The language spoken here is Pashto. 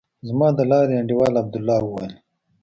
زما د لارې انډيوال عبدالله وويل.